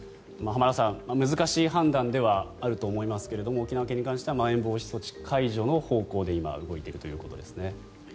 浜田さん、難しい判断ではあると思いますが沖縄県に関してはまん延防止措置解除の方向で今、動いているということですね。